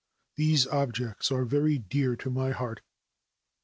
These objects are very dear to my heart.